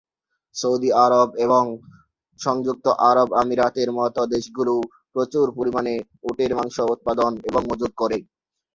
Saudi Arab এবং সংযুক্ত আরব আমিরাতের মত দেশগুলো প্রচুর পরিমাণে উটের মাংস উৎপাদন এবং মজুত করে।